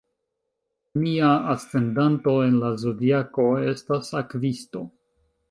Mia ascendanto en la zodiako estas Akvisto.